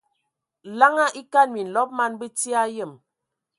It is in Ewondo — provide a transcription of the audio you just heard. Laŋa e kan minlɔb man bəti a yəm.